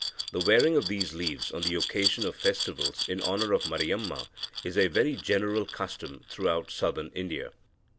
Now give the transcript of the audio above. The wearing of these leaves on the occasion of festivals in honour of Mariamma is a very general custom throughout Southern India.